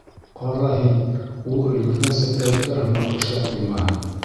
Ҡара һин, ул өлгөргән сәтләүектәр һымаҡ эшләп ҡуймаһын.